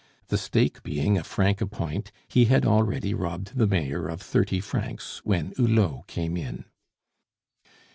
The stake being a franc a point, he had already robbed the Mayor of thirty francs when Hulot came in.